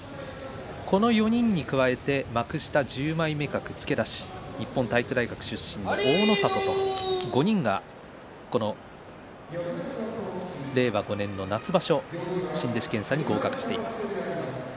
この４人に加えて幕下十枚目格付け出し日本体育大学出身の大の里この５人が令和５年の夏場所新弟子検査に合格しています。